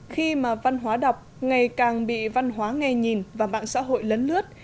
khi mà văn hóa đọc ngày càng bị văn hóa nghe nhìn và mạng xã hội lấn lướt